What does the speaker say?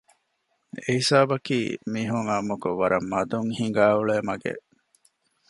އެހިސާބަކީ މީހުން އާންމުކޮށް ވަރަށް މަދުން ހިނގައި އުޅޭ މަގެއް